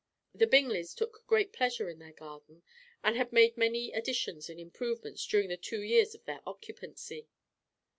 The Bingleys took great pleasure in their garden, and had made many additions and improvements during the two years of their occupancy.